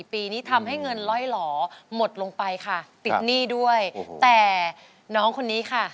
ปีนี้ทำให้เงินล่อยหล่อหมดลงไปค่ะติดหนี้ด้วยแต่น้องคนนี้ค่ะ